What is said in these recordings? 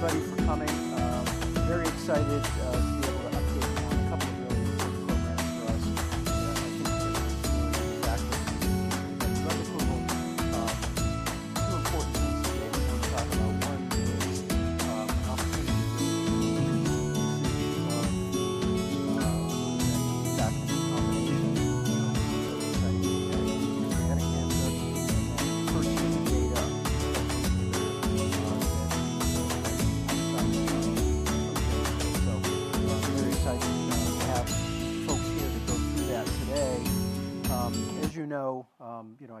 Thanks, everybody, for coming. I'm very excited to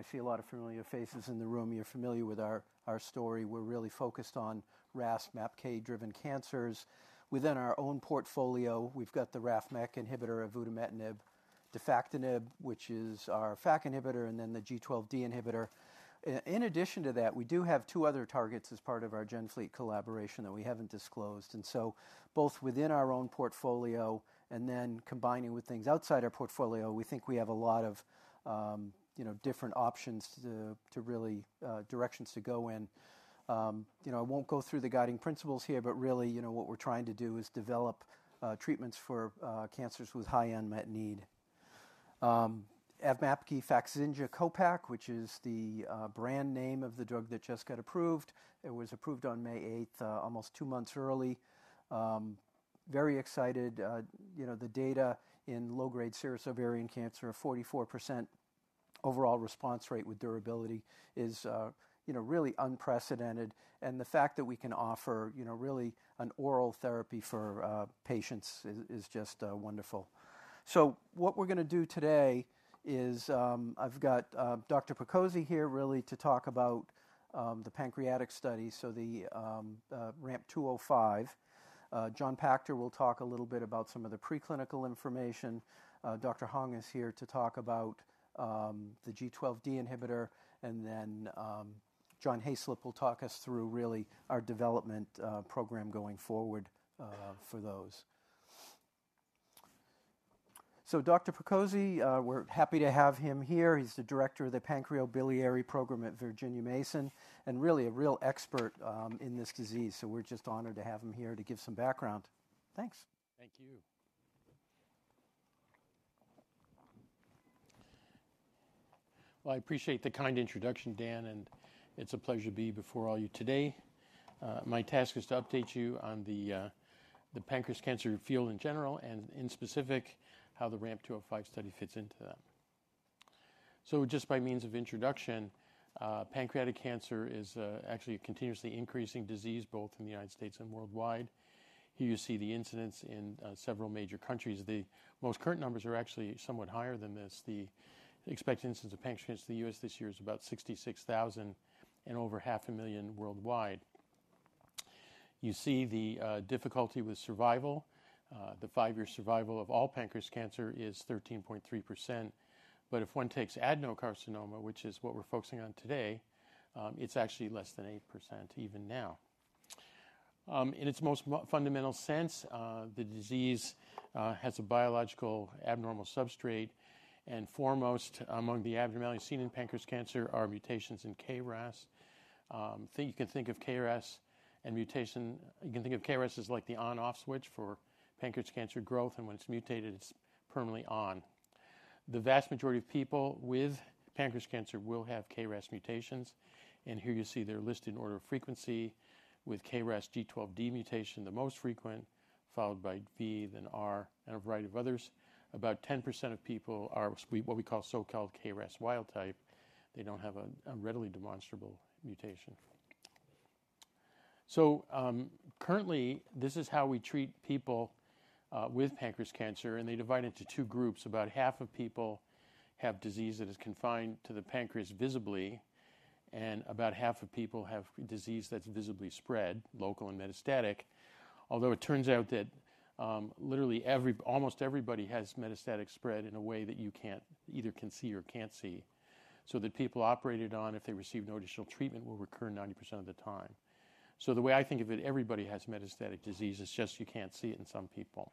be able to update on a couple of really important programs for us. I think that's really impactful. We've got a couple of important things today we want to talk about. One is opportunity-based research. This is a really fascinating combination of research that's been done in Connecticut and purchasing data that's been very exciting to have folks here to go through that today. As you know, I see a lot of familiar faces in the room. You're familiar with our story. We're really focused on RAS/MAPK-driven cancers. Within our own portfolio, we've got the RAF/MEK inhibitor, avutometinib, defactinib, which is our FAK inhibitor, and then the G12D inhibitor. In addition to that, we do have two other targets as part of our GenFleet collaboration that we haven't disclosed. Both within our own portfolio and then combining with things outside our portfolio, we think we have a lot of different options to really directions to go in. I will not go through the guiding principles here, but really what we are trying to do is develop treatments for cancers with high unmet need. AVMAPKI FAKZYNJA CO-PACK, which is the brand name of the drug that just got approved. It was approved on May 8, almost two months early. Very excited. The data in low-grade serous ovarian cancer, a 44% overall response rate with durability, is really unprecedented. The fact that we can offer really an oral therapy for patients is just wonderful. What we are going to do today is I have got Dr. Prakosi here really to talk about the pancreatic studies, the RAMP 205. John Pachter will talk a little bit about some of the preclinical information. Dr. Hung is here to talk about the G12D inhibitor. Then John Hayslip will talk us through really our development program going forward for those. Dr. Prakosi, we're happy to have him here. He's the Director of the Pancreobiliary Program at Virginia Mason and really a real expert in this disease. We're just honored to have him here to give some background. Thanks. Thank you. I appreciate the kind introduction, Dan, and it's a pleasure to be before all of you today. My task is to update you on the pancreas cancer field in general and in specific how the RAMP 205 study fits into that. Just by means of introduction, pancreatic cancer is actually a continuously increasing disease both in the United States and worldwide. Here you see the incidence in several major countries. The most current numbers are actually somewhat higher than this. The expected incidence of pancreas cancer in the U.S. this year is about 66,000 and over 500,000 worldwide. You see the difficulty with survival. The five-year survival of all pancreas cancer is 13.3%. If one takes adenocarcinoma, which is what we're focusing on today, it's actually less than 8% even now. In its most fundamental sense, the disease has a biological abnormal substrate. Foremost among the abnormalities seen in pancreas cancer are mutations in KRAS. You can think of KRAS as like the on/off switch for pancreas cancer growth. When it's mutated, it's permanently on. The vast majority of people with pancreas cancer will have KRAS mutations. Here you see they're listed in order of frequency, with KRAS G12D mutation the most frequent, followed by V, then R, and a variety of others. About 10% of people are what we call so-called KRAS wild type. They don't have a readily demonstrable mutation. Currently, this is how we treat people with pancreas cancer. They divide into two groups. About half of people have disease that is confined to the pancreas visibly. About half of people have disease that's visibly spread, local and metastatic. Although it turns out that literally almost everybody has metastatic spread in a way that you either can see or can't see. People operated on, if they received no additional treatment, will recur 90% of the time. The way I think of it, everybody has metastatic disease. It's just you can't see it in some people.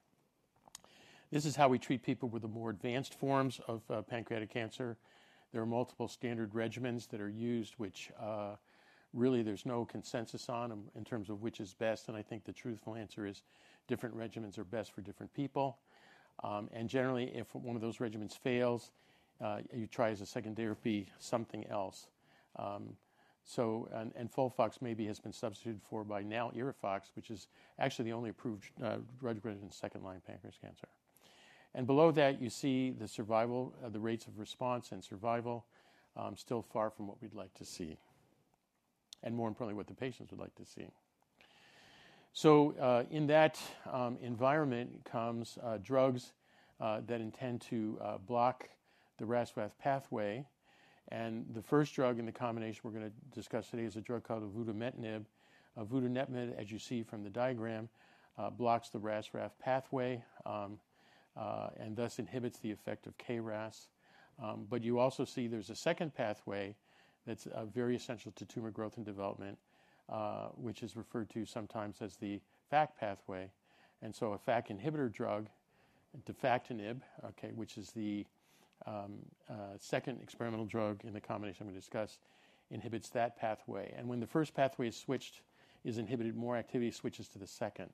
This is how we treat people with the more advanced forms of pancreatic cancer. There are multiple standard regimens that are used, which really there's no consensus on in terms of which is best. I think the truthful answer is different regimens are best for different people. Generally, if one of those regimens fails, you try as a second therapy something else. FOLFOX maybe has been substituted for by NALIRIFOX, which is actually the only approved regimen in second-line pancreas cancer. Below that, you see the survival, the rates of response and survival still far from what we'd like to see. More importantly, what the patients would like to see. In that environment comes drugs that intend to block the RAS/RAF pathway. The first drug in the combination we're going to discuss today is a drug called avutometinib. Avutometinib, as you see from the diagram, blocks the RAS/RAF pathway and thus inhibits the effect of KRAS. You also see there's a second pathway that's very essential to tumor growth and development, which is referred to sometimes as the FAK pathway. A FAK inhibitor drug, defactinib, which is the second experimental drug in the combination I'm going to discuss, inhibits that pathway. When the first pathway is inhibited, more activity switches to the second.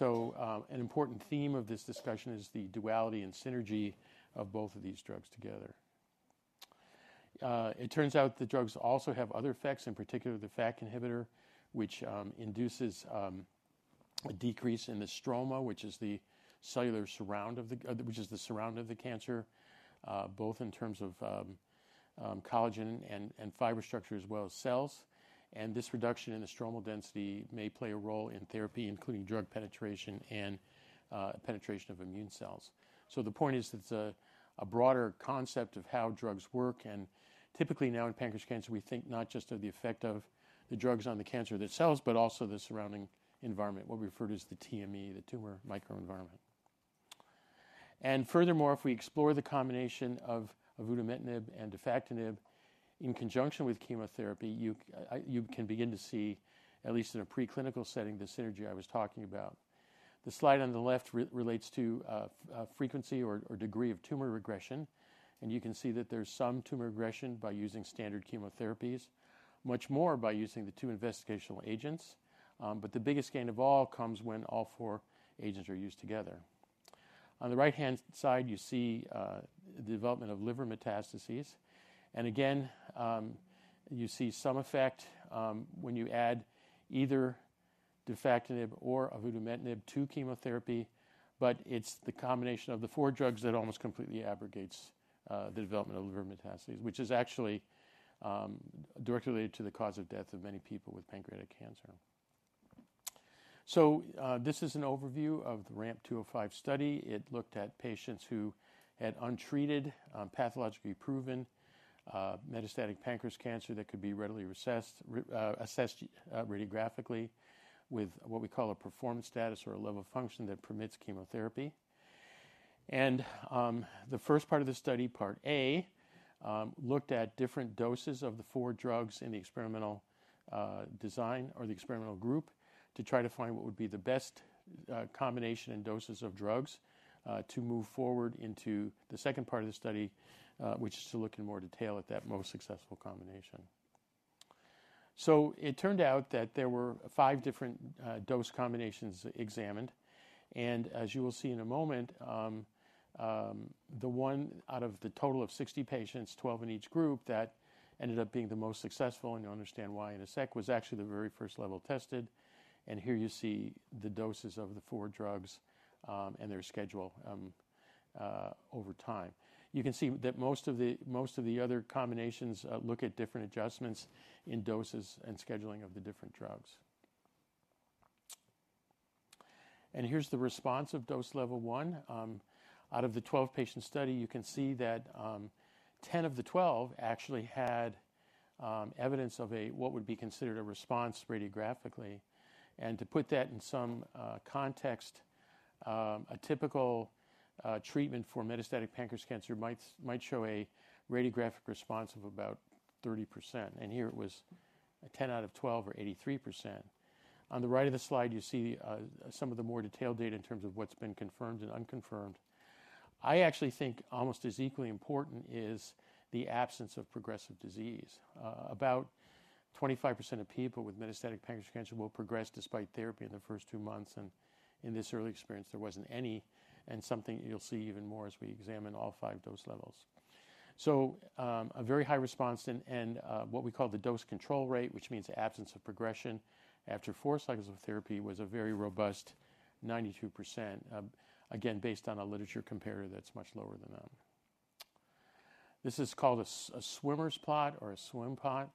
An important theme of this discussion is the duality and synergy of both of these drugs together. It turns out the drugs also have other effects, in particular the FAK inhibitor, which induces a decrease in the stroma, which is the cellular surround of the cancer, both in terms of collagen and fiber structure as well as cells. This reduction in the stromal density may play a role in therapy, including drug penetration and penetration of immune cells. The point is that it's a broader concept of how drugs work. Typically now in pancreas cancer, we think not just of the effect of the drugs on the cancer itself, but also the surrounding environment, what we refer to as the TME, the tumor microenvironment. Furthermore, if we explore the combination of avutometinib and defactinib in conjunction with chemotherapy, you can begin to see, at least in a preclinical setting, the synergy I was talking about. The slide on the left relates to frequency or degree of tumor regression. You can see that there's some tumor regression by using standard chemotherapies, much more by using the two investigational agents. The biggest gain of all comes when all four agents are used together. On the right-hand side, you see the development of liver metastases. Again, you see some effect when you add either defactinib or avutometinib to chemotherapy. It's the combination of the four drugs that almost completely abrogates the development of liver metastases, which is actually directly related to the cause of death of many people with pancreatic cancer. This is an overview of the RAMP 205 study. It looked at patients who had untreated, pathologically proven metastatic pancreas cancer that could be readily assessed radiographically with what we call a performance status or a level of function that permits chemotherapy. The first part of the study, part A, looked at different doses of the four drugs in the experimental design or the experimental group to try to find what would be the best combination and doses of drugs to move forward into the second part of the study, which is to look in more detail at that most successful combination. It turned out that there were five different dose combinations examined. As you will see in a moment, the one out of the total of 60 patients, 12 in each group, that ended up being the most successful, and you'll understand why in a sec, was actually the very first level tested. Here you see the doses of the four drugs and their schedule over time. You can see that most of the other combinations look at different adjustments in doses and scheduling of the different drugs. Here is the response of dose level one. Out of the 12-patient study, you can see that 10 of the 12 actually had evidence of what would be considered a response radiographically. To put that in some context, a typical treatment for metastatic pancreas cancer might show a radiographic response of about 30%. Here it was 10 out of 12 or 83%. On the right of the slide, you see some of the more detailed data in terms of what's been confirmed and unconfirmed. I actually think almost as equally important is the absence of progressive disease. About 25% of people with metastatic pancreas cancer will progress despite therapy in the first two months. In this early experience, there wasn't any. You will see even more as we examine all five dose levels. A very high response and what we call the dose control rate, which means absence of progression after four cycles of therapy, was a very robust 92%, again, based on a literature comparator that's much lower than that. This is called a swimmer's plot or a swim plot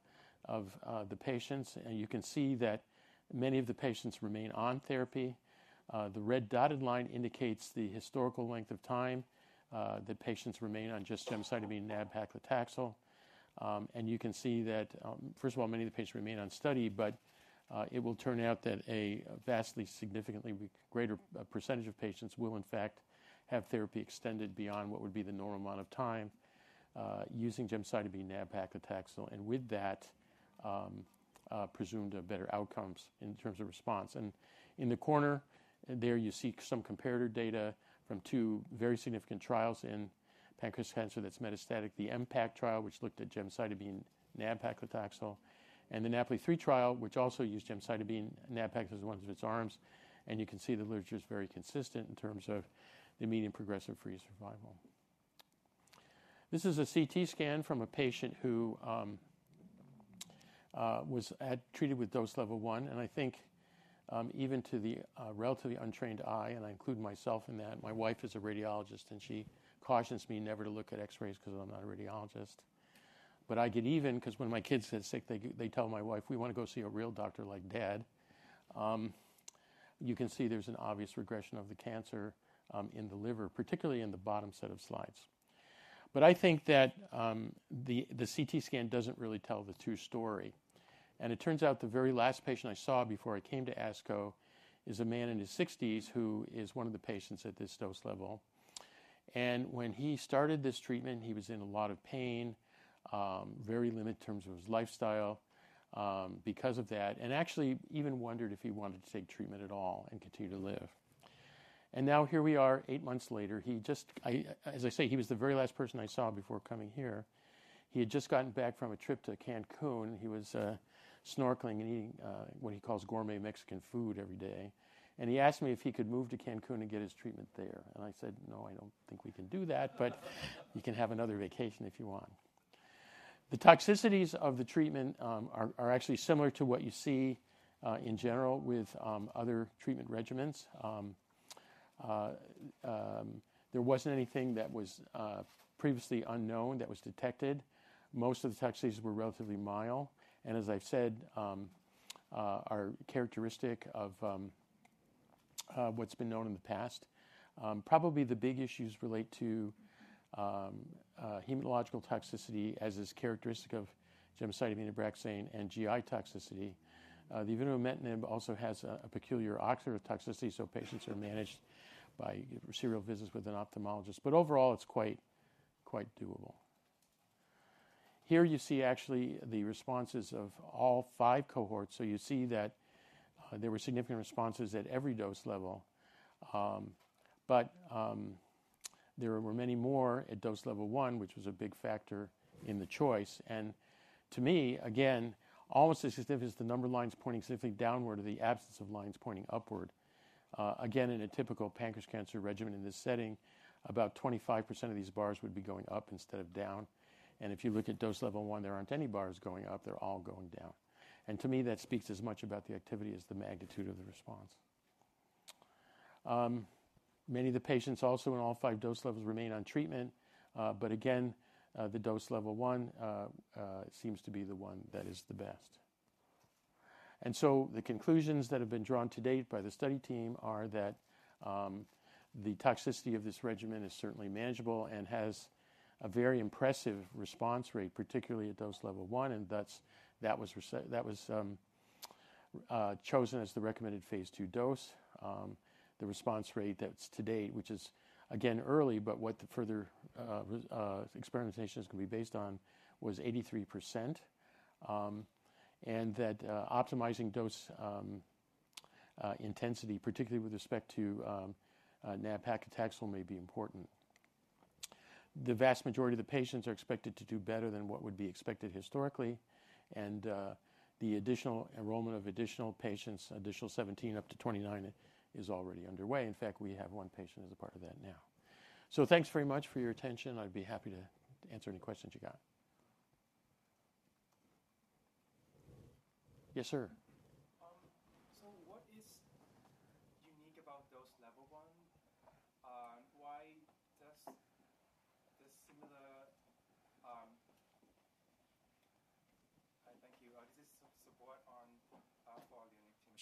of the patients. You can see that many of the patients remain on therapy. The red dotted line indicates the historical length of time that patients remain on just gemcitabine and Abraxane. You can see that, first of all, many of the patients remain unstudied. It will turn out that a vastly significantly greater percentage of patients will, in fact, have therapy extended beyond what would be the normal amount of time using gemcitabine and Abraxane. With that, presumed better outcomes in terms of response. In the corner there, you see some comparator data from two very significant trials in pancreas cancer that's metastatic, the MPACT trial, which looked at gemcitabine and Abraxane, and the NAPOLI-3 trial, which also used gemcitabine and Abraxane as one of its arms. You can see the literature is very consistent in terms of the median progression-free survival. This is a CT scan from a patient who was treated with dose level one. I think even to the relatively untrained eye, and I include myself in that, my wife is a radiologist. She cautions me never to look at X-rays because I'm not a radiologist. I get even because when my kids get sick, they tell my wife, "We want to go see a real doctor like Dad." You can see there's an obvious regression of the cancer in the liver, particularly in the bottom set of slides. I think that the CT scan doesn't really tell the true story. It turns out the very last patient I saw before I came to ASCO is a man in his 60s who is one of the patients at this dose level. When he started this treatment, he was in a lot of pain, very limited in terms of his lifestyle because of that, and actually even wondered if he wanted to take treatment at all and continue to live. Now here we are eight months later. As I say, he was the very last person I saw before coming here. He had just gotten back from a trip to Cancun. He was snorkeling and eating what he calls gourmet Mexican food every day. He asked me if he could move to Cancun and get his treatment there. I said, "No, I don't think we can do that. But you can have another vacation if you want." The toxicities of the treatment are actually similar to what you see in general with other treatment regimens. There was not anything that was previously unknown that was detected. Most of the toxicities were relatively mild. As I've said, they are characteristic of what's been known in the past. Probably the big issues relate to hematological toxicity, as is characteristic of gemcitabine and Abraxane, and GI toxicity. The avutometinib also has a peculiar auxiliary toxicity. Patients are managed by serial visits with an ophthalmologist. Overall, it's quite doable. Here you see actually the responses of all five cohorts. You see that there were significant responses at every dose level. There were many more at dose level one, which was a big factor in the choice. To me, again, almost as significant is the number of lines pointing significantly downward or the absence of lines pointing upward. In a typical pancreas cancer regimen in this setting, about 25% of these bars would be going up instead of down. If you look at dose level one, there are not any bars going up. They are all going down. To me, that speaks as much about the activity as the magnitude of the response. Many of the patients also in all five dose levels remain on treatment. Again, the dose level one seems to be the one that is the best. The conclusions that have been drawn to date by the study team are that the toxicity of this regimen is certainly manageable and has a very impressive response rate, particularly at dose level one. Thus, that was chosen as the recommended phase two dose. The response rate to date, which is again early, but what the further experimentation is going to be based on, was 83%. Optimizing dose intensity, particularly with respect to Abraxane, may be important. The vast majority of the patients are expected to do better than what would be expected historically. The enrollment of additional patients, additional 17 up to 29, is already underway. In fact, we have one patient as a part of that now. Thanks very much for your attention. I'd be happy to answer any questions you got. Yes, sir. What is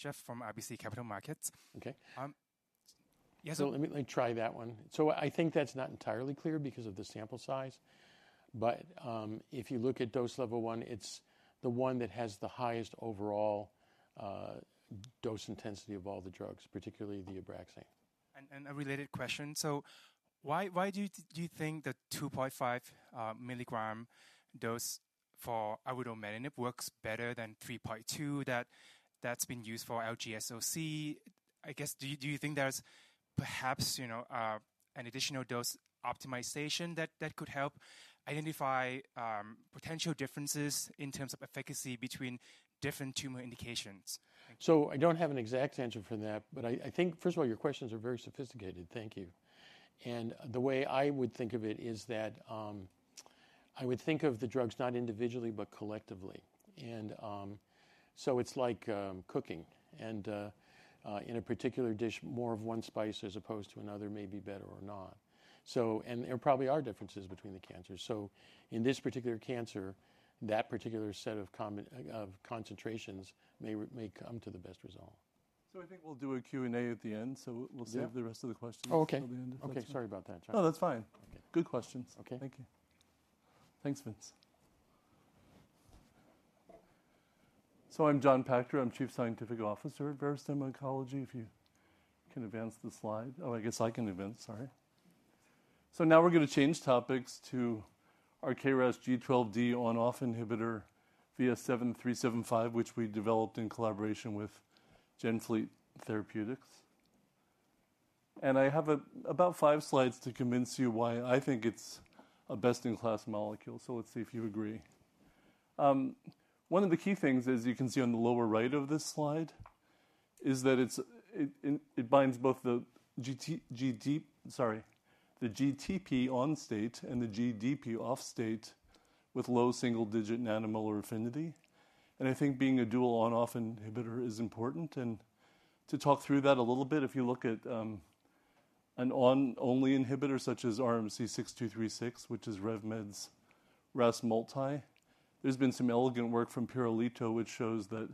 unique about dose level one? Why does this similar—thank you. This is support on for the. Jeff from RBC Capital Markets. Okay. Yeah. Let me try that one. I think that's not entirely clear because of the sample size. If you look at dose level one, it's the one that has the highest overall dose intensity of all the drugs, particularly the Abraxane. A related question. Why do you think the 2.5 milligram dose for avutometinib works better than 3.2 that's been used for LGSOC? I guess, do you think there's perhaps an additional dose optimization that could help identify potential differences in terms of efficacy between different tumor indications? I don't have an exact answer for that. I think, first of all, your questions are very sophisticated. Thank you. The way I would think of it is that I would think of the drugs not individually, but collectively. It's like cooking. In a particular dish, more of one spice as opposed to another may be better or not. There probably are differences between the cancers. In this particular cancer, that particular set of concentrations may come to the best result. I think we'll do a Q&A at the end. We'll save the rest of the questions until the end of the session. Okay. Sorry about that. No, that's fine. Good questions. Thank you. Thanks, Vince. I'm John Pachter. I'm Chief Scientific Officer at Verastem. Ted Durbin, if you can advance the slide. Oh, I guess I can advance. Sorry. Now we're going to change topics to our KRAS G12D on-off inhibitor VS-7375, which we developed in collaboration with GenFleet Therapeutics. I have about five slides to convince you why I think it's a best-in-class molecule. Let's see if you agree. One of the key things, as you can see on the lower right of this slide, is that it binds both the GTP on-state and the GDP off-state with low single-digit nanomolar affinity. I think being a dual on-off inhibitor is important. To talk through that a little bit, if you look at an on-only inhibitor such as RMC-6236, which is Revolution Medicines' RAS multi, there has been some elegant work from Piro Lito which shows that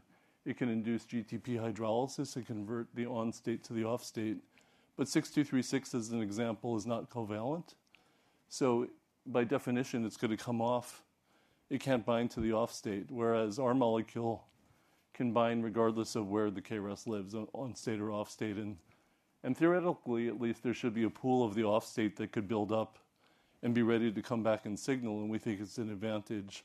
it can induce GTP hydrolysis and convert the on-state to the off-state. RMC-6236, as an example, is not covalent. By definition, it is going to come off. It cannot bind to the off-state. Our molecule can bind regardless of where the KRAS lives, on-state or off-state. Theoretically, at least, there should be a pool of the off-state that could build up and be ready to come back and signal. We think it is an advantage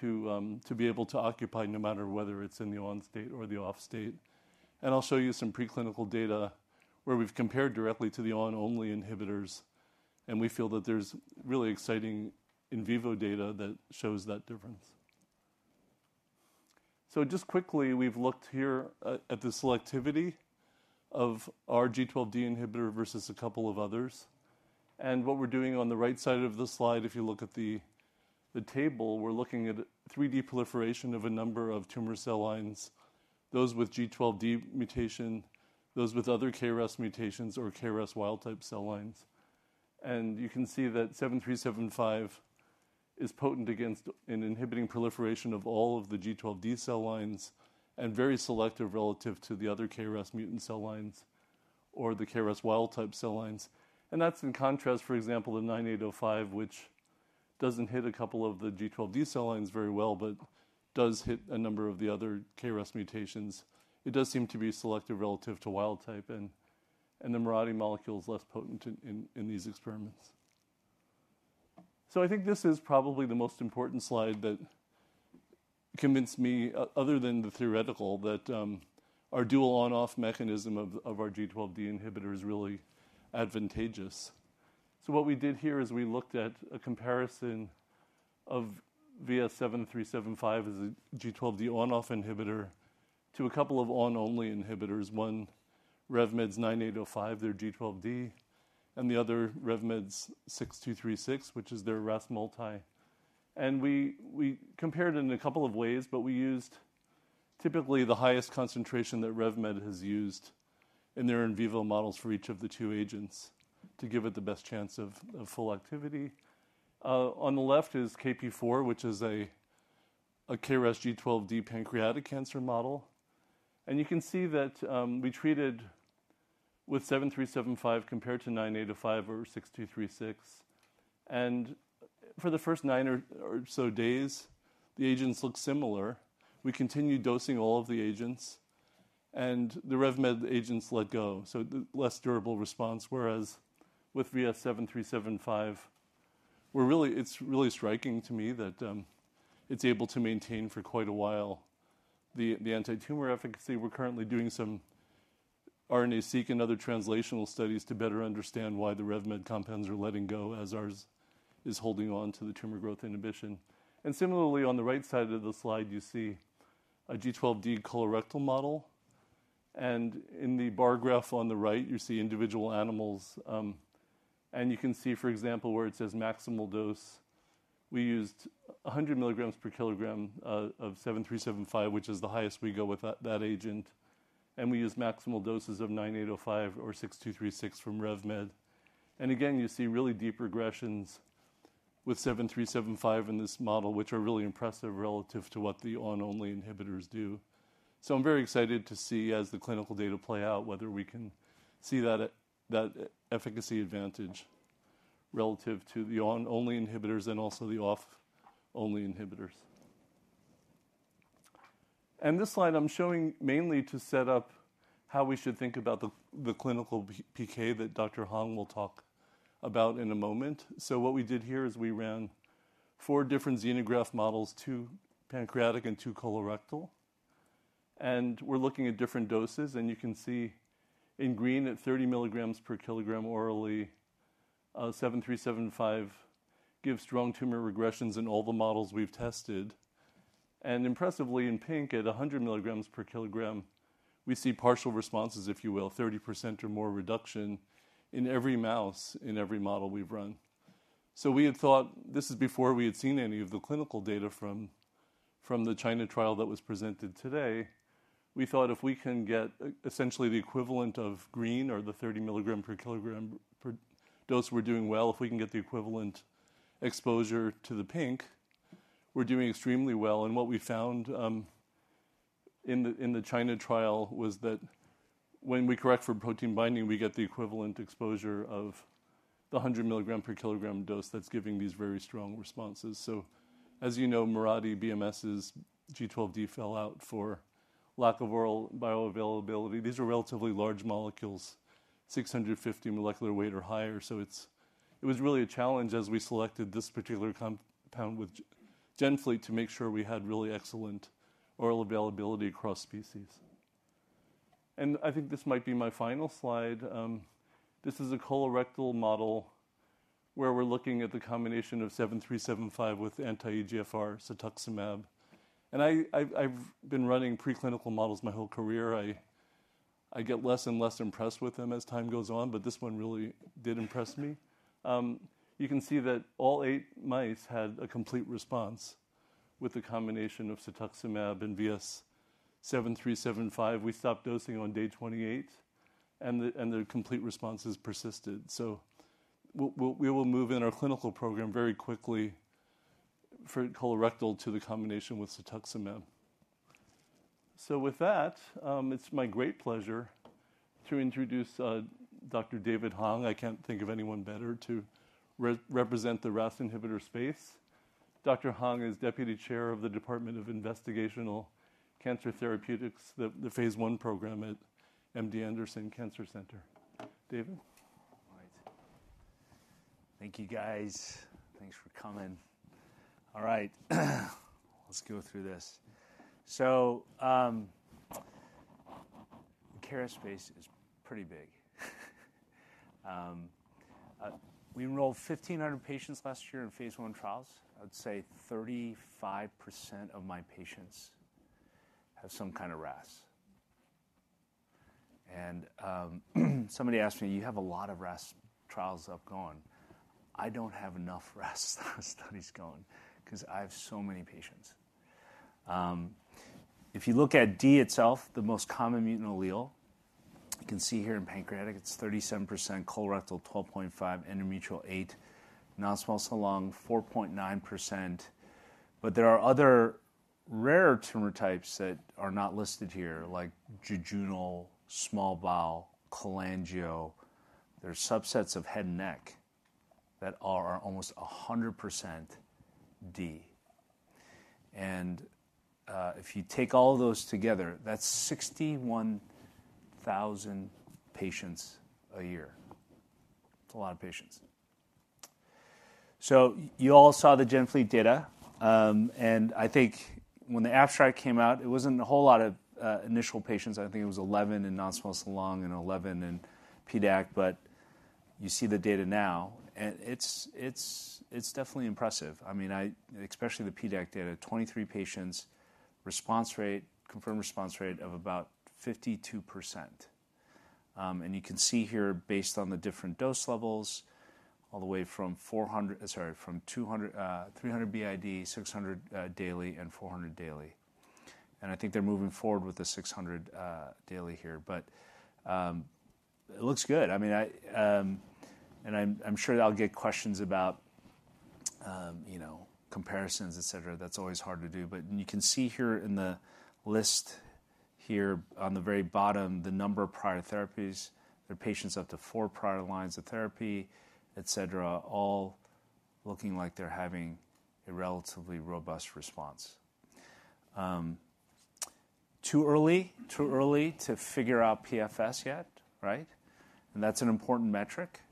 to be able to occupy no matter whether it is in the on-state or the off-state. I will show you some preclinical data where we have compared directly to the on-only inhibitors. We feel that there's really exciting in vivo data that shows that difference. Just quickly, we've looked here at the selectivity of our G12D inhibitor versus a couple of others. What we're doing on the right side of the slide, if you look at the table, we're looking at 3D proliferation of a number of tumor cell lines, those with G12D mutation, those with other KRAS mutations, or KRAS wild-type cell lines. You can see that 7375 is potent against and inhibiting proliferation of all of the G12D cell lines and very selective relative to the other KRAS mutant cell lines or the KRAS wild-type cell lines. That's in contrast, for example, to 9805, which does not hit a couple of the G12D cell lines very well, but does hit a number of the other KRAS mutations. It does seem to be selective relative to wild-type. The Mirati molecule is less potent in these experiments. I think this is probably the most important slide that convinced me, other than the theoretical, that our dual on-off mechanism of our G12D inhibitor is really advantageous. What we did here is we looked at a comparison of VS-7375 as a G12D on-off inhibitor to a couple of on-only inhibitors, one Revolution Medicines' 9805, their G12D, and the other Revolution Medicines' 6236, which is their RAS multi. We compared in a couple of ways. We used typically the highest concentration that Revolution Medicines has used in their in vivo models for each of the two agents to give it the best chance of full activity. On the left is KP4, which is a KRAS G12D pancreatic cancer model. You can see that we treated with 7375 compared to 9805 or 6236. For the first nine or so days, the agents looked similar. We continued dosing all of the agents. The RevMed agents let go, so less durable response. Whereas with VS-7375, it's really striking to me that it's able to maintain for quite a while the anti-tumor efficacy. We're currently doing some RNA-seq and other translational studies to better understand why the RevMed compounds are letting go as ours is holding on to the tumor growth inhibition. Similarly, on the right side of the slide, you see a G12D colorectal model. In the bar graph on the right, you see individual animals. You can see, for example, where it says maximal dose. We used 100 mg per kg of 7375, which is the highest we go with that agent. We used maximal doses of 9805 or 6236 from RevMed. You see really deep regressions with 7375 in this model, which are really impressive relative to what the on-only inhibitors do. I'm very excited to see, as the clinical data play out, whether we can see that efficacy advantage relative to the on-only inhibitors and also the off-only inhibitors. This slide I'm showing mainly to set up how we should think about the clinical PK that Dr. Hung will talk about in a moment. What we did here is we ran four different xenograft models, two pancreatic and two colorectal. We're looking at different doses. You can see in green at 30 milligrams per kilogram orally, 7375 gives strong tumor regressions in all the models we've tested. Impressively, in pink at 100 milligrams per kilogram, we see partial responses, if you will, 30% or more reduction in every mouse in every model we've run. We had thought this is before we had seen any of the clinical data from the China trial that was presented today. We thought if we can get essentially the equivalent of green or the 30 milligram per kilogram dose we're doing well, if we can get the equivalent exposure to the pink, we're doing extremely well. What we found in the China trial was that when we correct for protein binding, we get the equivalent exposure of the 100 milligram per kilogram dose that's giving these very strong responses. As you know, Mirati Bristol Myers Squibb's G12D fell out for lack of oral bioavailability. These are relatively large molecules, 650 molecular weight or higher. It was really a challenge as we selected this particular compound with GenFleet to make sure we had really excellent oral availability across species. I think this might be my final slide. This is a colorectal model where we're looking at the combination of VS-7375 with anti-EGFR, cetuximab. I've been running preclinical models my whole career. I get less and less impressed with them as time goes on. This one really did impress me. You can see that all eight mice had a complete response with the combination of cetuximab and VS-7375. We stopped dosing on day 28. The complete responses persisted. We will move in our clinical program very quickly for colorectal to the combination with cetuximab. With that, it's my great pleasure to introduce Dr. David Hung. I can't think of anyone better to represent the RAS inhibitor space. Dr. Hung is Deputy Chair of the Department of Investigational Cancer Therapeutics, the phase one program at MD Anderson Cancer Center. David. All right. Thank you, guys. Thanks for coming. All right. Let's go through this. The KRAS space is pretty big. We enrolled 1,500 patients last year in phase one trials. I would say 35% of my patients have some kind of RAS. And somebody asked me, you have a lot of RAS trials up going. I don't have enough RAS studies going because I have so many patients. If you look at D itself, the most common mutant allele, you can see here in pancreatic, it's 37%, colorectal 12.5%, endometrial 8%, non-small cell lung 4.9%. But there are other rarer tumor types that are not listed here, like jejunal, small bowel, cholangio. There are subsets of head and neck that are almost 100% D. If you take all those together, that's 61,000 patients a year. It's a lot of patients. You all saw the GenFleet data. I think when the abstract came out, it wasn't a whole lot of initial patients. I think it was 11 in non-small cell lung and 11 in PDAC. You see the data now. It's definitely impressive. I mean, especially the PDAC data, 23 patients, confirmed response rate of about 52%. You can see here, based on the different dose levels, all the way from 300 b.i.d., 600 daily, and 400 daily. I think they're moving forward with the 600 daily here. It looks good. I'm sure I'll get questions about comparisons, et cetera. That's always hard to do. You can see here in the list here on the very bottom, the number of prior therapies. There are patients up to four prior lines of therapy, et cetera, all looking like they're having a relatively robust response. Too early to figure out PFS yet, right? That is an important metric, right?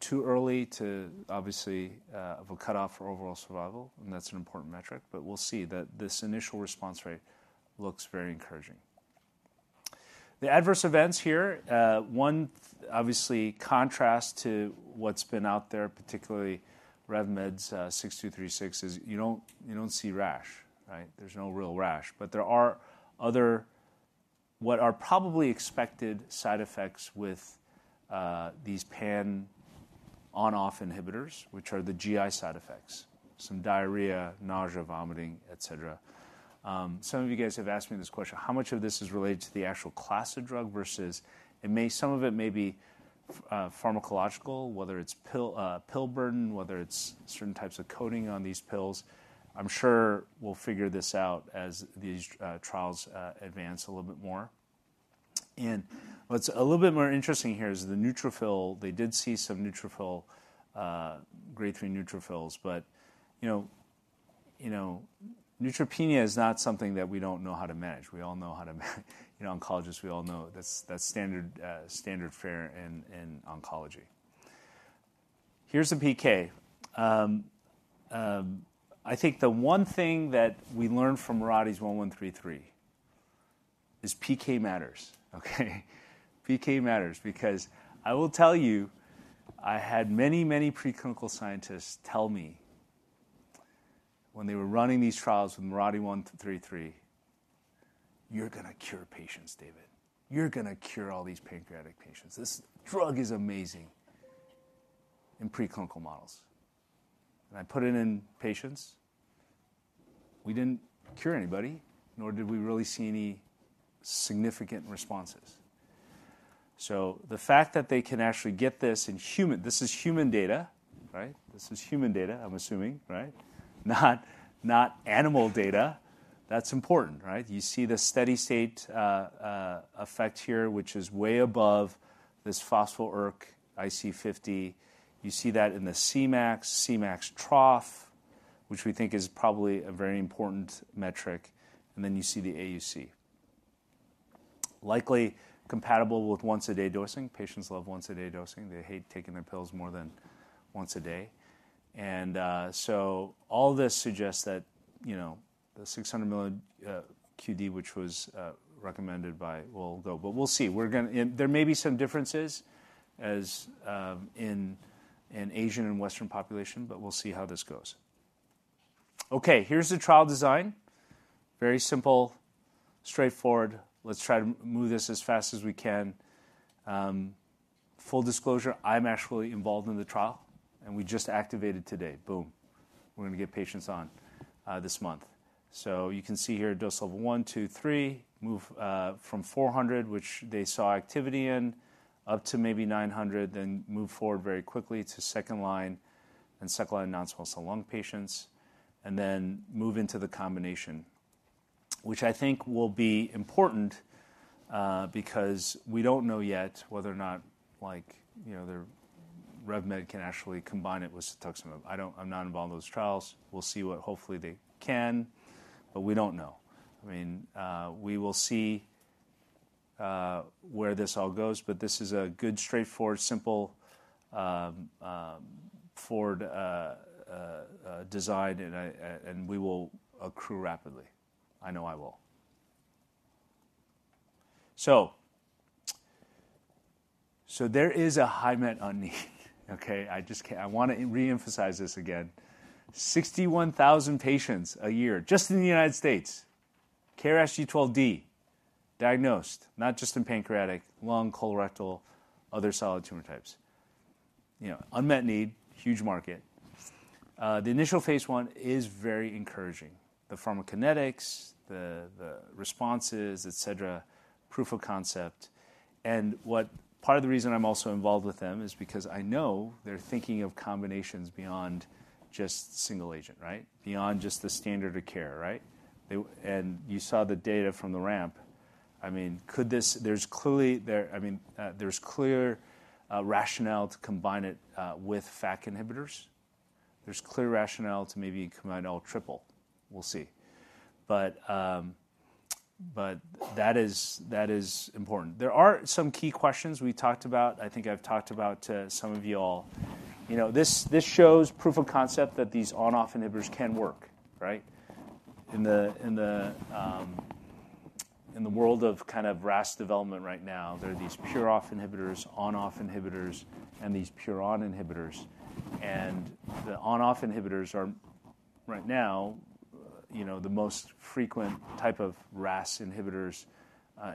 Too early to obviously have a cutoff for overall survival. That is an important metric. We will see that this initial response rate looks very encouraging. The adverse events here, one, obviously, contrast to what has been out there, particularly RevMed's 6236, is you do not see rash. There is no real rash. There are other what are probably expected side effects with these pan-on-off inhibitors, which are the GI side effects, some diarrhea, nausea, vomiting, et cetera. Some of you guys have asked me this question. How much of this is related to the actual class of drug versus some of it may be pharmacological, whether it is pill burden, whether it is certain types of coating on these pills? I am sure we will figure this out as these trials advance a little bit more. What's a little bit more interesting here is the neutrophil. They did see some neutrophil, grade 3 neutrophils. Neutropenia is not something that we don't know how to manage. We all know how to manage. Oncologists, we all know that's standard fare in oncology. Here's the PK. I think the one thing that we learned from Mirati's 1133 is PK matters. PK matters because I will tell you, I had many, many preclinical scientists tell me when they were running these trials with Mirati 1133, you're going to cure patients, David. You're going to cure all these pancreatic patients. This drug is amazing in preclinical models. I put it in patients. We didn't cure anybody, nor did we really see any significant responses. The fact that they can actually get this in human, this is human data. This is human data, I'm assuming, not animal data. That's important. You see the steady state effect here, which is way above this phospholuric IC50. You see that in the CMAX, CMAX trough, which we think is probably a very important metric. You see the AUC, likely compatible with once-a-day dosing. Patients love once-a-day dosing. They hate taking their pills more than once a day. All this suggests that the 600 milligrams q.d., which was recommended by, will go. We will see. There may be some differences in an Asian and Western population. We will see how this goes. OK, here is the trial design. Very simple, straightforward. Let's try to move this as fast as we can. Full disclosure, I'm actually involved in the trial. We just activated today. Boom. We're going to get patients on this month. You can see here, dose level 1, 2, 3, move from 400, which they saw activity in, up to maybe 900, then move forward very quickly to second line and second line non-small cell lung patients, and then move into the combination, which I think will be important because we do not know yet whether or not RevMed can actually combine it with cetuximab. I am not involved in those trials. We will see what hopefully they can. We do not know. I mean, we will see where this all goes. This is a good, straightforward, simple forward design. We will accrue rapidly. I know I will. There is a high met on me. I want to reemphasize this again. 61,000 patients a year, just in the United States, KRAS G12D diagnosed, not just in pancreatic, lung, colorectal, other solid tumor types. Unmet need, huge market. The initial phase one is very encouraging. The pharmacokinetics, the responses, et cetera, proof of concept. Part of the reason I'm also involved with them is because I know they're thinking of combinations beyond just single agent, beyond just the standard of care. You saw the data from the RAMP. I mean, there's clearly, I mean, there's clear rationale to combine it with FAK inhibitors. There's clear rationale to maybe combine LTRIPL. We'll see. That is important. There are some key questions we talked about. I think I've talked about to some of you all. This shows proof of concept that these on-off inhibitors can work. In the world of kind of RAS development right now, there are these pure off inhibitors, on-off inhibitors, and these pure on inhibitors. The on-off inhibitors are right now the most frequent type of RAS inhibitors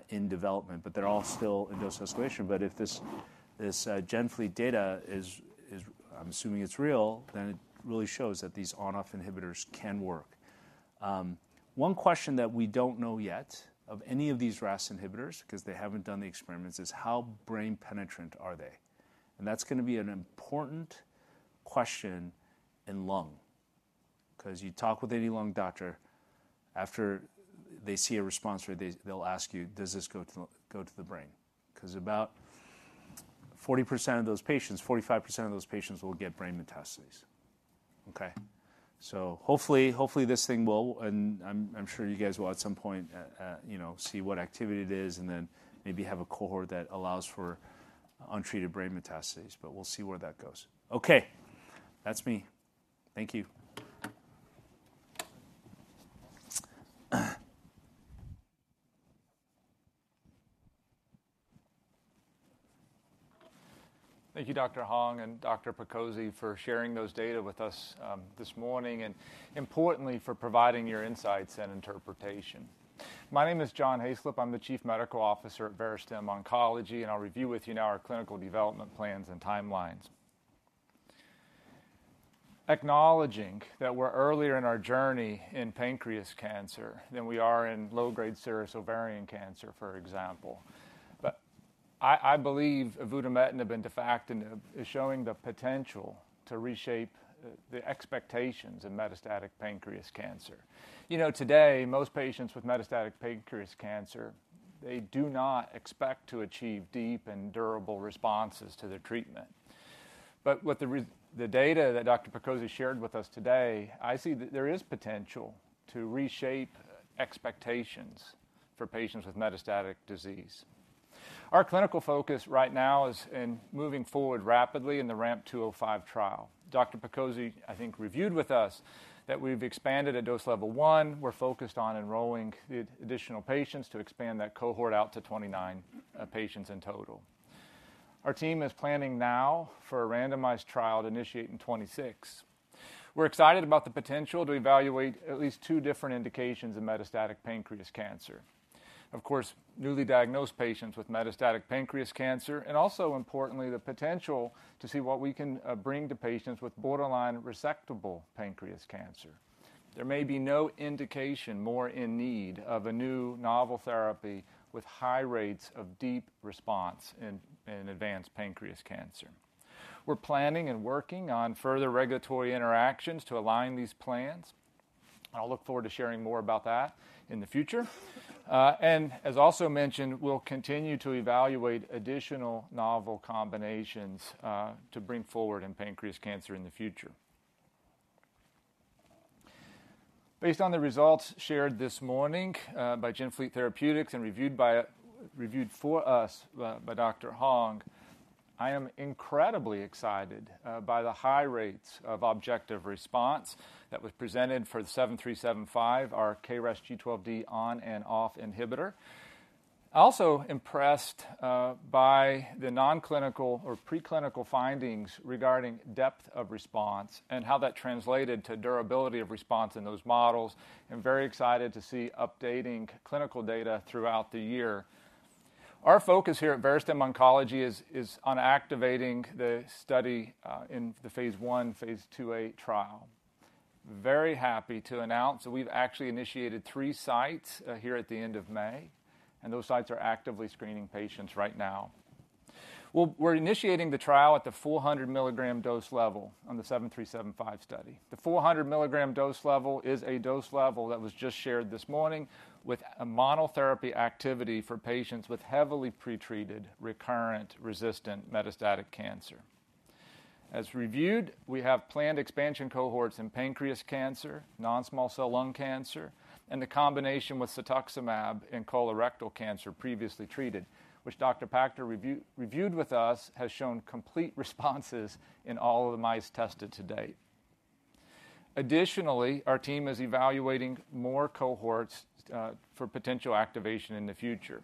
in development. They're all still in dose escalation. If this GenFleet data is, I'm assuming it's real, then it really shows that these on-off inhibitors can work. One question that we do not know yet of any of these RAS inhibitors, because they have not done the experiments, is how brain penetrant are they? That is going to be an important question in lung. You talk with any lung doctor, after they see a response, they'll ask you, does this go to the brain? About 40% of those patients, 45% of those patients will get brain metastases. Hopefully this thing will. I'm sure you guys will at some point see what activity it is and then maybe have a cohort that allows for untreated brain metastases. We'll see where that goes. OK, that's me. Thank you. Thank you, Dr. Hung and Dr. Prakosi, for sharing those data with us this morning and, importantly, for providing your insights and interpretation. My name is John Hayslip. I'm the Chief Medical Officer at Verastem Oncology. I'll review with you now our clinical development plans and timelines. Acknowledging that we're earlier in our journey in pancreas cancer than we are in low-grade serous ovarian cancer, for example. I believe avutometinib and defactinib is showing the potential to reshape the expectations in metastatic pancreas cancer. Today, most patients with metastatic pancreas cancer do not expect to achieve deep and durable responses to their treatment. With the data that Dr. Prakosi shared with us today, I see that there is potential to reshape expectations for patients with metastatic disease. Our clinical focus right now is in moving forward rapidly in the RAMP 205 trial. Dr. Prakosi, I think, reviewed with us that we've expanded at dose level 1. We're focused on enrolling additional patients to expand that cohort out to 29 patients in total. Our team is planning now for a randomized trial to initiate in 2026. We're excited about the potential to evaluate at least two different indications of metastatic pancreas cancer, of course, newly diagnosed patients with metastatic pancreas cancer, and also, importantly, the potential to see what we can bring to patients with borderline resectable pancreas cancer. There may be no indication more in need of a new novel therapy with high rates of deep response in advanced pancreas cancer. We're planning and working on further regulatory interactions to align these plans. I'll look forward to sharing more about that in the future. As also mentioned, we will continue to evaluate additional novel combinations to bring forward in pancreas cancer in the future. Based on the results shared this morning by GenFleet Therapeutics and reviewed for us by Dr. Hung, I am incredibly excited by the high rates of objective response that was presented for the 7375, our KRAS G12D on and off inhibitor. Also impressed by the non-clinical or preclinical findings regarding depth of response and how that translated to durability of response in those models. I am very excited to see updating clinical data throughout the year. Our focus here at Verastem Oncology is on activating the study in the phase 1, phase 2A trial. Very happy to announce that we have actually initiated three sites here at the end of May. Those sites are actively screening patients right now. We're initiating the trial at the 400 milligram dose level on the 7375 study. The 400 milligram dose level is a dose level that was just shared this morning with a monotherapy activity for patients with heavily pretreated recurrent resistant metastatic cancer. As reviewed, we have planned expansion cohorts in pancreas cancer, non-small cell lung cancer, and the combination with cetuximab in colorectal cancer previously treated, which Dr. Pachter reviewed with us, has shown complete responses in all of the mice tested to date. Additionally, our team is evaluating more cohorts for potential activation in the future.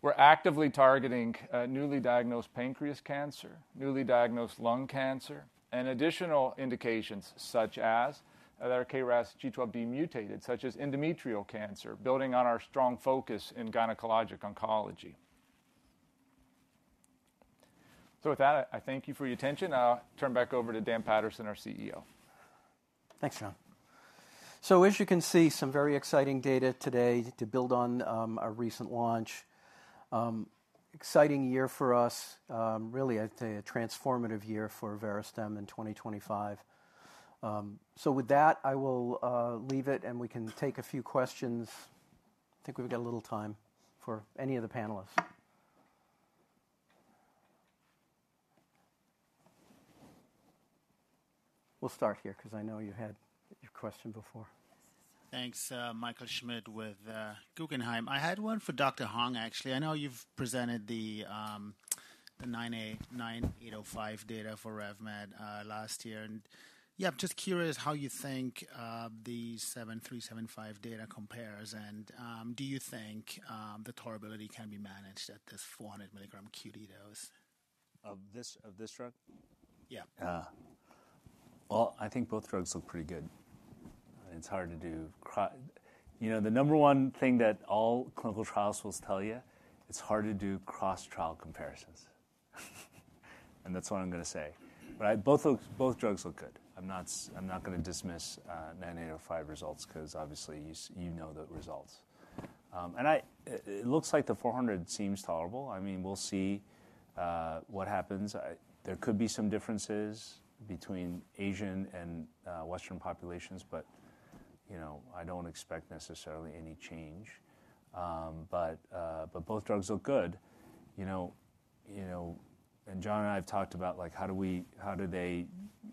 We're actively targeting newly diagnosed pancreas cancer, newly diagnosed lung cancer, and additional indications such as our KRAS G12D mutated, such as endometrial cancer, building on our strong focus in gynecologic oncology. I thank you for your attention. I'll turn back over to Dan Paterson, our CEO. Thanks, John. As you can see, some very exciting data today to build on our recent launch. Exciting year for us, really, I'd say a transformative year for Verastem in 2025. With that, I will leave it. We can take a few questions. I think we've got a little time for any of the panelists. We'll start here because I know you had your question before. Thanks, Michael Schmidt with Guggenheim. I had one for Dr. Hung, actually. I know you've presented the 9805 data for RevMed last year. Yeah, I'm just curious how you think the 7375 data compares. Do you think the tolerability can be managed at this 400 milligram q.d. dose? Of this drug? Yeah. I think both drugs look pretty good. It's hard to do. The number one thing that all clinical trials will tell you, it's hard to do cross-trial comparisons. That's what I'm going to say. Both drugs look good. I'm not going to dismiss 9805 results because obviously, you know the results. It looks like the 400 seems tolerable. I mean, we'll see what happens. There could be some differences between Asian and Western populations. I don't expect necessarily any change. Both drugs look good. John and I have talked about how do they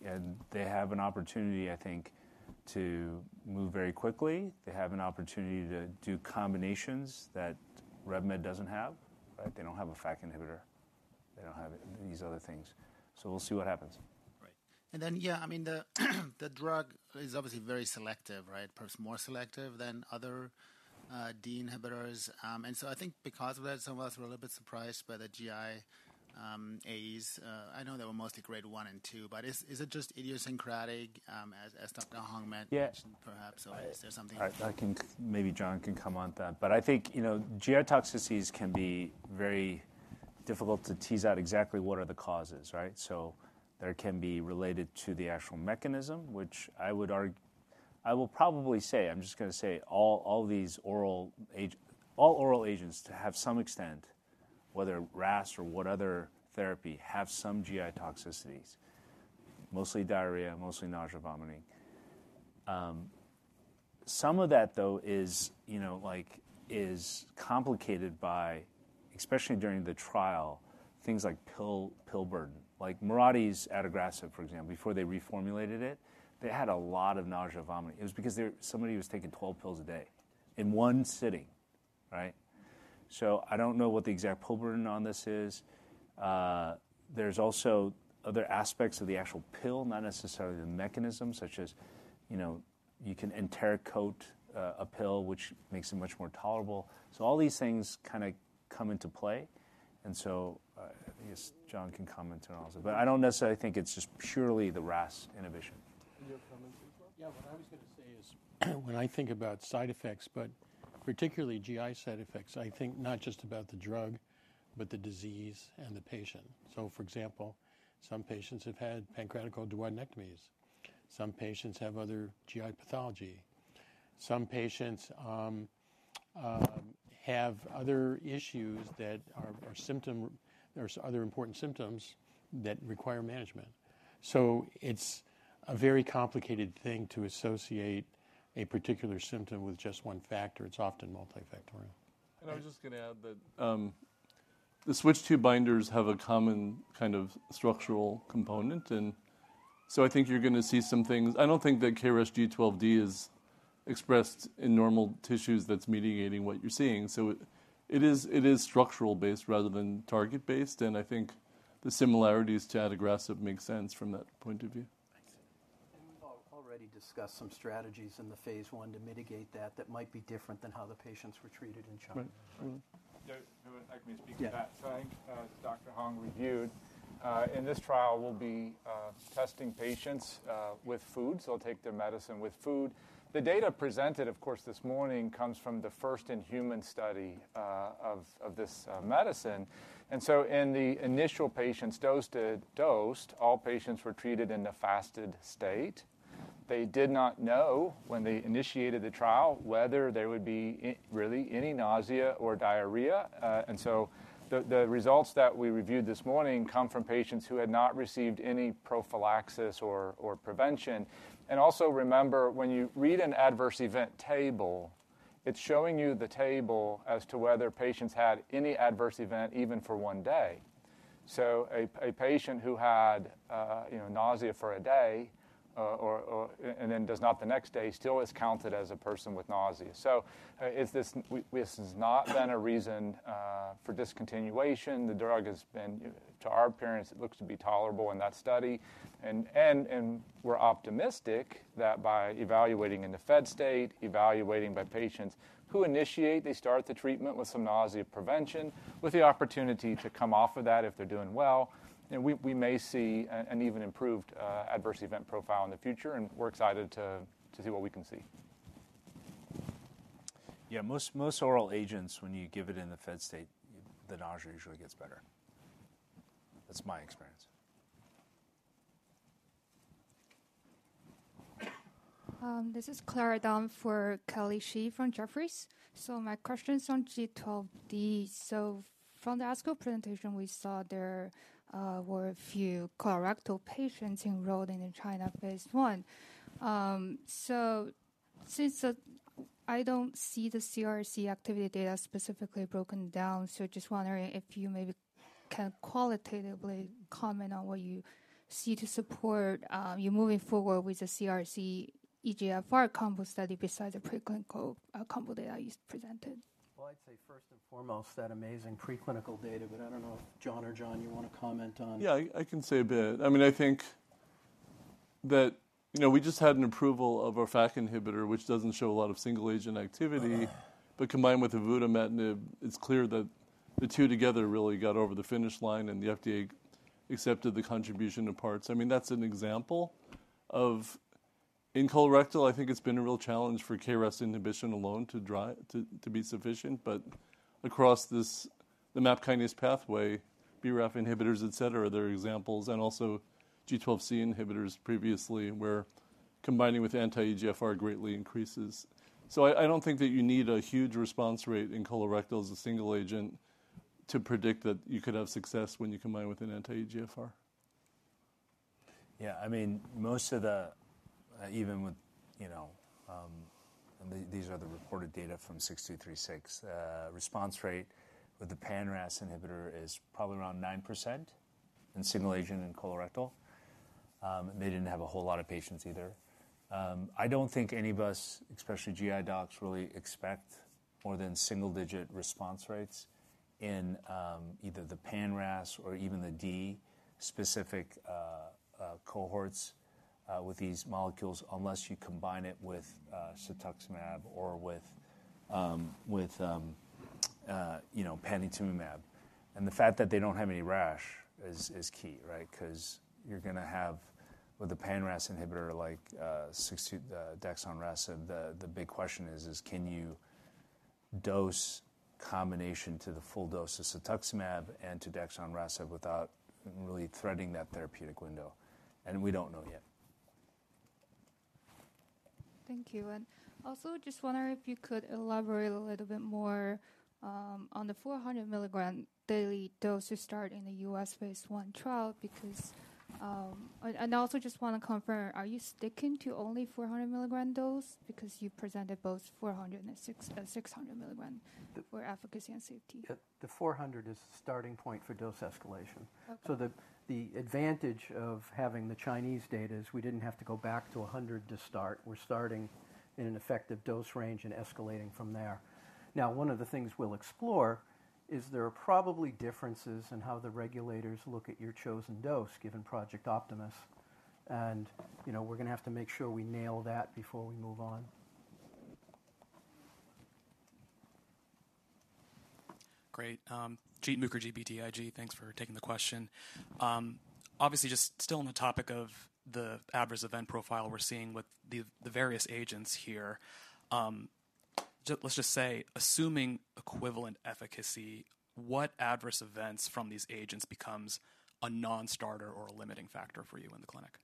and they have an opportunity, I think, to move very quickly. They have an opportunity to do combinations that RevMed doesn't have. They don't have a FAK inhibitor. They don't have these other things. We'll see what happens. Right. Yeah, I mean, the drug is obviously very selective, perhaps more selective than other D inhibitors. I think because of that, some of us were a little bit surprised by the GIAs. I know they were mostly grade 1 and 2. Is it just idiosyncratic, as Dr. Hung mentioned, perhaps? Is there something? I think maybe John can come on to that. I think GI toxicities can be very difficult to tease out exactly what are the causes. There can be related to the actual mechanism, which I will probably say, I'm just going to say, all oral agents to some extent, whether RAS or what other therapy, have some GI toxicities, mostly diarrhea, mostly nausea, vomiting. Some of that, though, is complicated by, especially during the trial, things like pill burden. Like Mirati's Adagrasib, for example, before they reformulated it, they had a lot of nausea, vomiting. It was because somebody was taking 12 pills a day in one sitting. I do not know what the exact pill burden on this is. There are also other aspects of the actual pill, not necessarily the mechanism, such as you can enteric coat a pill, which makes it much more tolerable. All these things kind of come into play. I guess John can comment on it also. I do not necessarily think it is just purely the RAS inhibition. Yeah, what I was going to say is when I think about side effects, but particularly GI side effects, I think not just about the drug, but the disease and the patient. For example, some patients have had pancreatic duodenectomies. Some patients have other GI pathology. Some patients have other issues that are important symptoms that require management. It is a very complicated thing to associate a particular symptom with just one factor. It is often multifactorial. I was just going to add that the switch tube binders have a common kind of structural component. I think you're going to see some things. I don't think that KRAS G12D is expressed in normal tissues that's mediating what you're seeing. It is structural based rather than target based. I think the similarities to Adagrasib make sense from that point of view. We have already discussed some strategies in the phase I to mitigate that that might be different than how the patients were treated in China. I can speak to that. Thank Dr. Hung reviewed. In this trial, we'll be testing patients with food. So they'll take their medicine with food. The data presented, of course, this morning comes from the first in human study of this medicine. In the initial patients dosed, all patients were treated in a fasted state. They did not know when they initiated the trial whether there would be really any nausea or diarrhea. The results that we reviewed this morning come from patients who had not received any prophylaxis or prevention. Also remember, when you read an adverse event table, it's showing you the table as to whether patients had any adverse event even for one day. A patient who had nausea for a day and then does not the next day still is counted as a person with nausea. This has not been a reason for discontinuation. The drug has been, to our appearance, it looks to be tolerable in that study. We're optimistic that by evaluating in the fed state, evaluating by patients who initiate, they start the treatment with some nausea prevention with the opportunity to come off of that if they're doing well. We may see an even improved adverse event profile in the future. We're excited to see what we can see. Yeah, most oral agents, when you give it in the fed state, the nausea usually gets better. That's my experience. This is Clara Dunn for Kelly Xi from Jefferies. My question is on G12D. From the ASCO presentation, we saw there were a few colorectal patients enrolled in the China phase 1. I do not see the CRC activity data specifically broken down, so I am just wondering if you maybe can qualitatively comment on what you see to support you moving forward with the CRC eGFR combo study besides the preclinical combo data you presented. I'd say first and foremost, that amazing preclinical data. I don't know if John or John, you want to comment on. Yeah, I can say a bit. I mean, I think that we just had an approval of our FAK inhibitor, which doesn't show a lot of single agent activity. But combined with avutometinib, it's clear that the two together really got over the finish line and the FDA accepted the contribution of parts. I mean, that's an example of in colorectal, I think it's been a real challenge for KRAS inhibition alone to be sufficient. Across the MAPK kinase pathway, BRAF inhibitors, et cetera, are there examples. Also, G12C inhibitors previously where combining with anti-EGFR greatly increases. I don't think that you need a huge response rate in colorectal as a single agent to predict that you could have success when you combine with an anti-EGFR. Yeah, I mean, most of the, even with these are the reported data from 6236, response rate with the PanRAS inhibitor is probably around 9% in single agent in colorectal. They did not have a whole lot of patients either. I do not think any of us, especially GI docs, really expect more than single digit response rates in either the PanRAS or even the D specific cohorts with these molecules unless you combine it with cetuximab or with panitumumab. The fact that they do not have any rash is key because you are going to have with a PanRAS inhibitor like dexonrasev, the big question is, can you dose combination to the full dose of cetuximab and to dexonrasev without really threatening that therapeutic window? We do not know yet. Thank you. Also, just wondering if you could elaborate a little bit more on the 400 milligram daily dose you start in the U.S. phase 1 trial because I also just want to confirm, are you sticking to only 400 milligram dose because you presented both 400 and 600 milligram for efficacy and safety? The 400 is the starting point for dose escalation. The advantage of having the Chinese data is we did not have to go back to 100 to start. We are starting in an effective dose range and escalating from there. Now, one of the things we will explore is there are probably differences in how the regulators look at your chosen dose given Project Optimus. We are going to have to make sure we nail that before we move on. Great. Jeet Mukherjee, BTIG, thanks for taking the question. Obviously, just still on the topic of the adverse event profile we're seeing with the various agents here, let's just say, assuming equivalent efficacy, what adverse events from these agents becomes a non-starter or a limiting factor for you in the clinic?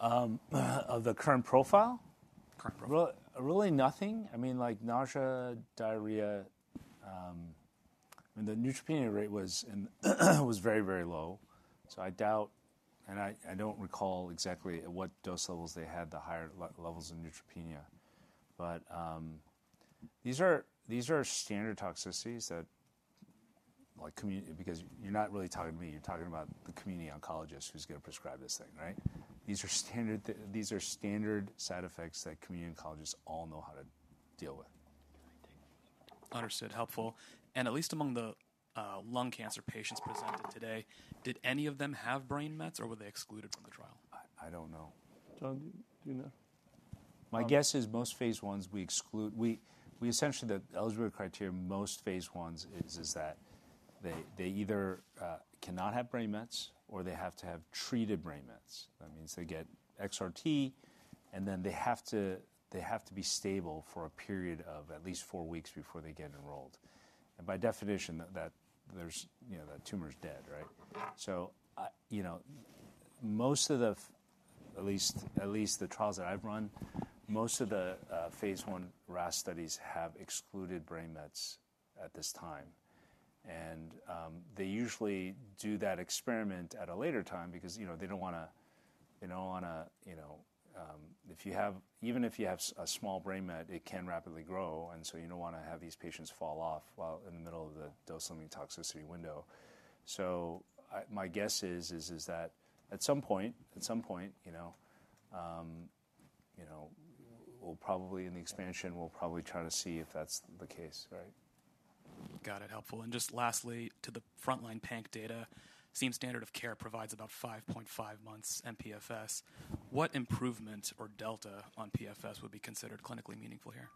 Of the current profile? Current profile. Really nothing. I mean, like nausea, diarrhea. I mean, the neutropenia rate was very, very low. I doubt, and I don't recall exactly at what dose levels they had the higher levels of neutropenia. These are standard toxicities that, because you're not really talking to me, you're talking about the community oncologist who's going to prescribe this thing. These are standard side effects that community oncologists all know how to deal with. Understood. Helpful. At least among the lung cancer patients presented today, did any of them have brain mets or were they excluded from the trial? I don't know. John, do you know? My guess is most phase 1s, we exclude essentially the eligibility criteria. Most phase 1s is that they either cannot have brain mets or they have to have treated brain mets. That means they get XRT, and then they have to be stable for a period of at least four weeks before they get enrolled. By definition, that tumor is dead. Most of the, at least the trials that I've run, most of the phase 1 RAS studies have excluded brain mets at this time. They usually do that experiment at a later time because they do not want to, if you have, even if you have a small brain met, it can rapidly grow. You do not want to have these patients fall off in the middle of the dose-limiting toxicity window. My guess is that at some point, we'll probably, in the expansion, we'll probably try to see if that's the case. Got it. Helpful. Just lastly, to the frontline PANC data, same standard of care provides about 5.5 months MPFS. What improvement or delta on PFS would be considered clinically meaningful here?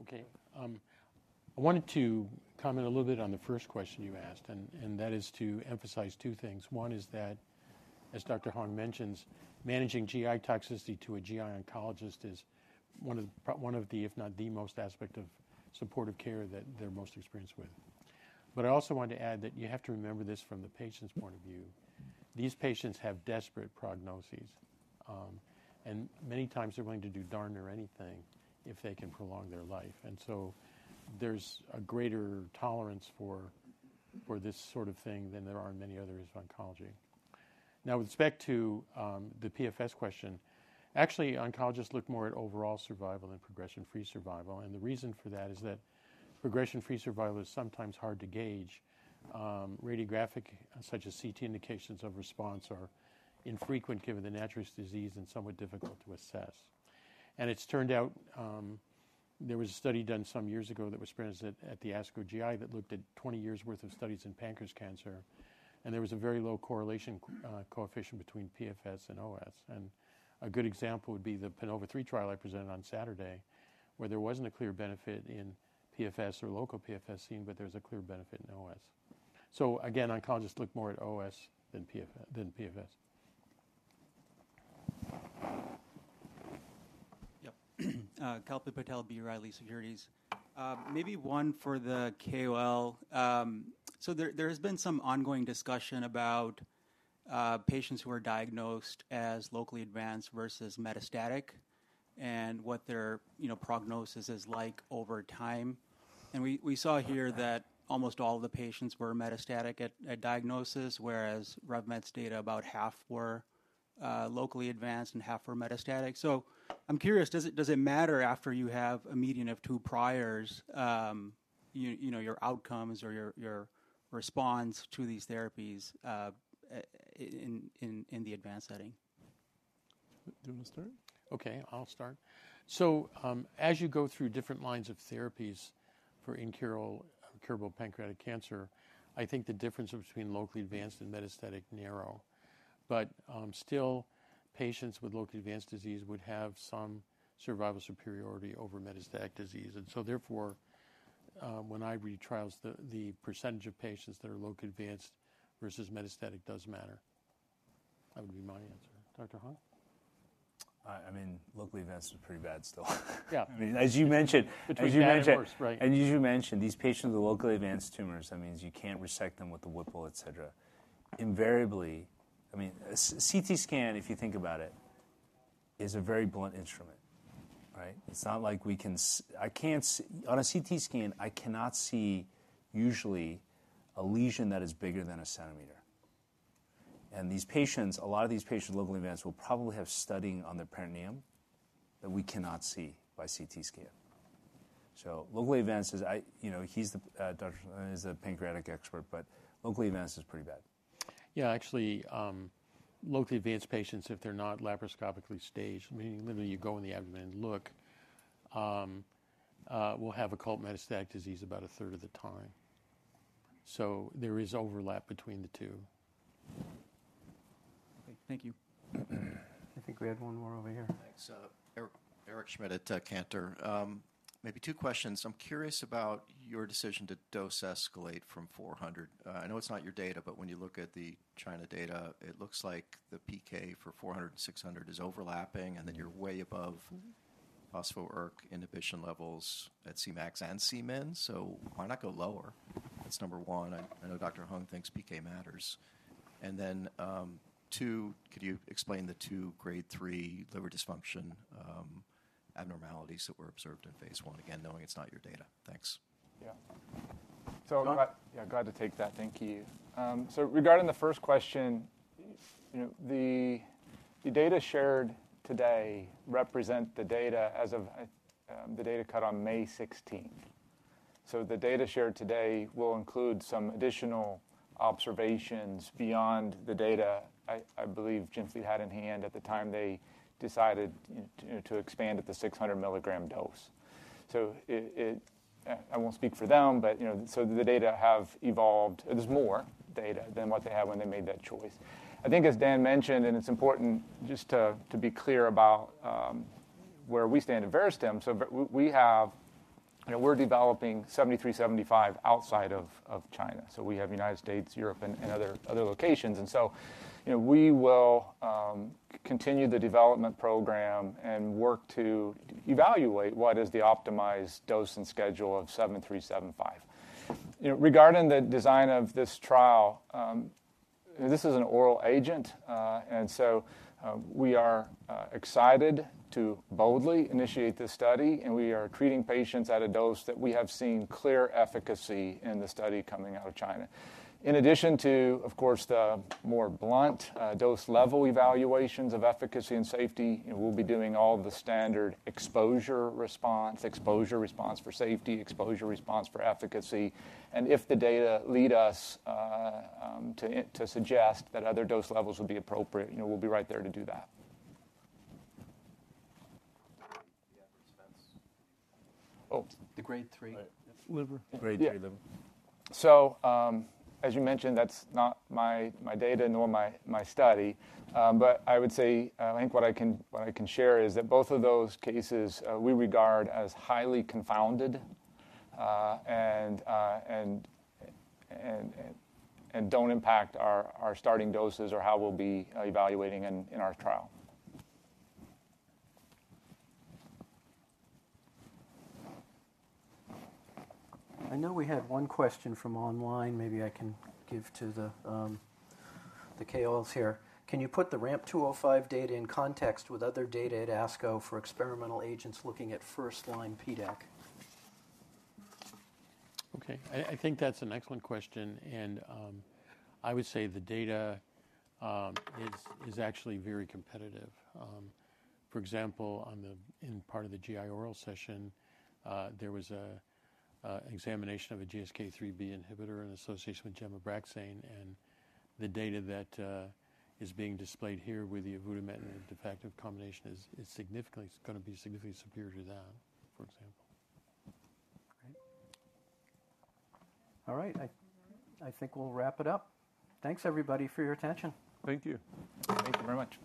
OK. I wanted to comment a little bit on the first question you asked. That is to emphasize two things. One is that, as Dr. Hung mentions, managing GI toxicity to a GI oncologist is one of the, if not the most, aspects of supportive care that they're most experienced with. I also wanted to add that you have to remember this from the patient's point of view. These patients have desperate prognoses. Many times they're willing to do darn near anything if they can prolong their life. There is a greater tolerance for this sort of thing than there are in many others of oncology. Now, with respect to the PFS question, actually, oncologists look more at overall survival than progression-free survival. The reason for that is that progression-free survival is sometimes hard to gauge. Radiographic, such as CT, indications of response are infrequent given the natural disease and somewhat difficult to assess. It turned out there was a study done some years ago that was presented at the ASCO GI that looked at 20 years' worth of studies in pancreas cancer. There was a very low correlation coefficient between PFS and OS. A good example would be the Panova 3 trial I presented on Saturday, where there was not a clear benefit in PFS or local PFS seen, but there was a clear benefit in OS. Again, oncologists look more at OS than PFS. Yep. Prakesh Patel, B Reilly Securities. Maybe one for the KOL. There has been some ongoing discussion about patients who are diagnosed as locally advanced versus metastatic and what their prognosis is like over time. We saw here that almost all of the patients were metastatic at diagnosis, whereas Revolution Medicines' data, about half were locally advanced and half were metastatic. I'm curious, does it matter after you have a median of two priors your outcomes or your response to these therapies in the advanced setting? Do you want to start? OK, I'll start. As you go through different lines of therapies for incurable pancreatic cancer, I think the difference between locally advanced and metastatic narrow. Still, patients with locally advanced disease would have some survival superiority over metastatic disease. Therefore, when I read trials, the percentage of patients that are locally advanced versus metastatic does matter. That would be my answer. Dr. Hung? I mean, locally advanced is pretty bad still. Yeah. I mean, as you mentioned. Between adverse, right. As you mentioned, these patients are locally advanced tumors. That means you can't resect them with a Whipple, et cetera. Invariably, I mean, a CT scan, if you think about it, is a very blunt instrument. It's not like we can, on a CT scan, I cannot see usually a lesion that is bigger than a centimeter. These patients, a lot of these patients locally advanced will probably have seeding on the perineum that we cannot see by CT scan. Locally advanced is, he's the pancreatic expert. Locally advanced is pretty bad. Yeah, actually, locally advanced patients, if they're not laparoscopically staged, meaning literally you go in the abdomen and look, will have occult metastatic disease about a third of the time. There is overlap between the two. Thank you. I think we had one more over here. Thanks. Eric Schmidt at Cantor. Maybe two questions. I'm curious about your decision to dose escalate from 400. I know it's not your data, but when you look at the China data, it looks like the PK for 400 and 600 is overlapping. And then you're way above phosphoric inhibition levels at CMAX and CMIN. So why not go lower? That's number one. I know Dr. Hung thinks PK matters. And then two, could you explain the two grade 3 liver dysfunction abnormalities that were observed in phase 1, again, knowing it's not your data? Thanks. Yeah. So glad to take that. Thank you. Regarding the first question, the data shared today represent the data as of the data cut on May 16. The data shared today will include some additional observations beyond the data I believe GenFleet had in hand at the time they decided to expand at the 600 milligram dose. I will not speak for them. The data have evolved. There is more data than what they had when they made that choice. I think as Dan mentioned, and it is important just to be clear about where we stand at Verastem. We are developing VS-7375 outside of China. We have United States, Europe, and other locations. We will continue the development program and work to evaluate what is the optimized dose and schedule of VS-7375. Regarding the design of this trial, this is an oral agent. We are excited to boldly initiate this study. We are treating patients at a dose that we have seen clear efficacy in the study coming out of China. In addition to, of course, the more blunt dose level evaluations of efficacy and safety, we will be doing all the standard exposure response, exposure response for safety, exposure response for efficacy. If the data lead us to suggest that other dose levels would be appropriate, we will be right there to do that. The grade 3. Liver. Grade 3 liver. As you mentioned, that's not my data nor my study. I would say, I think what I can share is that both of those cases we regard as highly confounded and do not impact our starting doses or how we will be evaluating in our trial. I know we had one question from online. Maybe I can give to the KOLs here. Can you put the RAMP 205 data in context with other data at ASCO for experimental agents looking at first line PDAC? OK. I think that's an excellent question. I would say the data is actually very competitive. For example, in part of the GI oral session, there was an examination of a GSK3B inhibitor in association with Abraxane. The data that is being displayed here with the avutometinib and the defactinib combination is going to be significantly superior to that, for example. All right. I think we'll wrap it up. Thanks, everybody, for your attention. Thank you. Thank you very much.